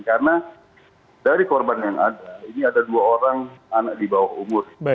karena dari korban yang ada ini ada dua orang anak di bawah umur